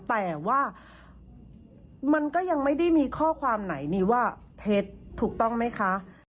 แต่ว่ามันก็ยังไม่ได้มีข้อความไหนนี่ว่าเท็จถูกต้องไหมคะ